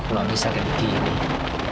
kenapa mereka yang mencontohkan diri